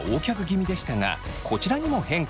味でしたがこちらにも変化が。